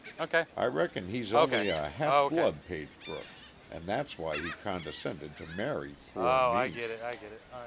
I reckon he's only a half blood Pagebrook, and that's why he condescended to marry poor me."